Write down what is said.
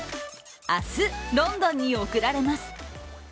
明日、ロンドンに送られます。